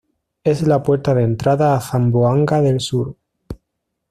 Es la puerta de entrada a Zamboanga del Sur.